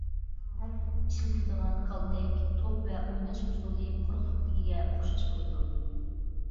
ئىشلىتىلىدىغان كالتەك، توپ ۋە ئويناش ئۇسۇلى قۇرۇقلۇقتىكىگە ئوخشاش بولىدۇ.